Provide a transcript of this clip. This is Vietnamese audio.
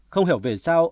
không hiểu vì sao